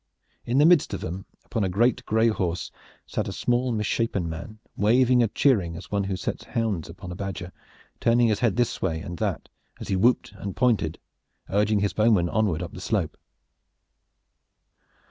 In the midst of them, upon a great gray horse, sat a small misshapen man, waving and cheering as one sets hounds on a badger, turning his head this way and that as he whooped and pointed, urging his bowmen onward up the slope.